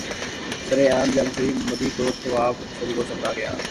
سر عام جب ہوئے مدعی تو ثواب صدق و صفا گیا